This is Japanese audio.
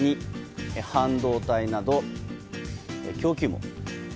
２、半導体などの供給網。